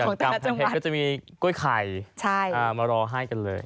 กำแพงเพชรก็จะมีกล้วยไข่มารอให้กันเลย